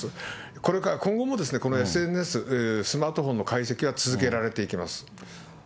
これから、今後もこのＳＮＳ、スマートフォンの解析は続けられていきます。